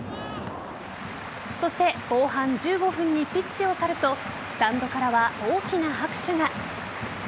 そして後半１５分にピッチを去るとスタンドからは大きな拍手が。